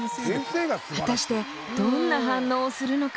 果たしてどんな反応をするのか？